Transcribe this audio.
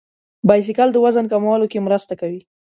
بایسکل د وزن کمولو کې مرسته کوي.